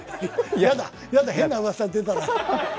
嫌だ、嫌だ、変なうわさ出たら。